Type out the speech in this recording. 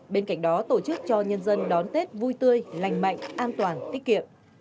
bên cạnh đó tổ chức cho nhân dân đón tết vui tươi lành mạnh an toàn tiết kiệm